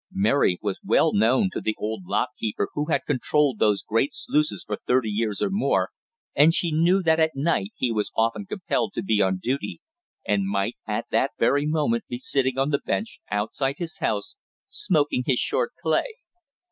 Mary was well known to the old lock keeper who had controlled those great sluices for thirty years or more, and she knew that at night he was often compelled to be on duty, and might at that very moment be sitting on the bench outside his house, smoking his short clay.